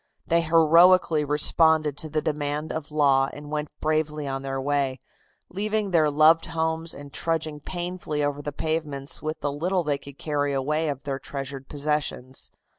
They heroically responded to the demand of law and went bravely on their way, leaving their loved homes and trudging painfully over the pavements with the little they could carry away of their treasured possessions.